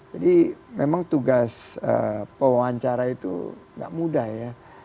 jadi memang tugas pewawancara itu tidak mudah ya